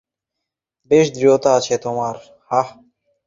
বেশ দৃঢ়তা আছে তোমার, হাহ?